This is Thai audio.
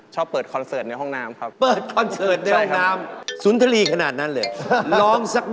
ชอบมาก